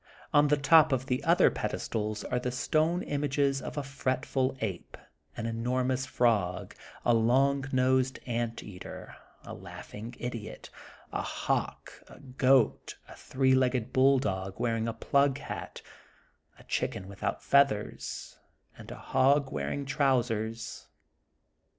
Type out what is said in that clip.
On the top of the other pedestals are the stone images of a fretful ape, an enormous frog, a long nosed ant eater, a laughing idiot, a hawk, a goat, a three legged bull dog wearing a plug hat, a chicken without feathers, and a hog wearing trousers.